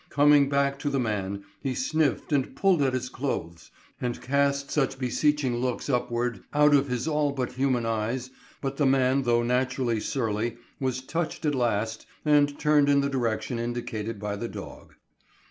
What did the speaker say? Coming back to the man, he sniffed and pulled at his clothes, and cast such beseeching looks upward out of his all but human eyes that the man though naturally surly was touched at last and turned in the direction indicated by the dog.